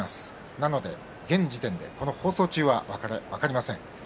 なので、現時点でこの放送中は分かりません。